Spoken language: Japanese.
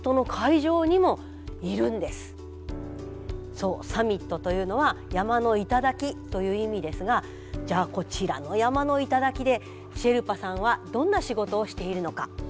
そうサミットというのは山の頂という意味ですがじゃあこちらの山の頂でシェルパさんはどんな仕事をしているのか。